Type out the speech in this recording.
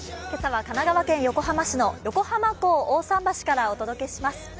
今朝は神奈川県横浜市の横浜港大さん橋からお届けします。